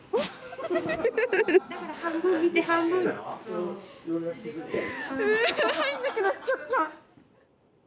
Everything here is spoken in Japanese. うう入んなくなっちゃった！